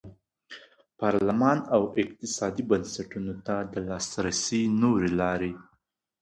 پارلمان او اقتصادي بنسټونو ته د لاسرسي نورې لارې.